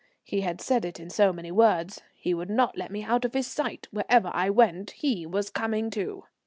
He had said it in so many words. He would not let me out of his sight; wherever I went he was coming too.